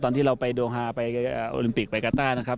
ตอนที่เราไปโดฮาไปโอลิมปิกไปกาต้านะครับ